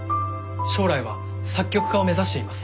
将来は作曲家を目指しています。